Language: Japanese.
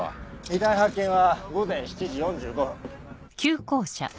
遺体発見は午前７時４５分。